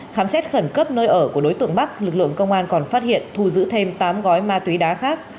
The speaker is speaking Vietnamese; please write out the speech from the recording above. khám xét khẩn cấp nơi ở của đối tượng bắc lực lượng công an còn phát hiện thu giữ thêm tám gói ma túy đá khác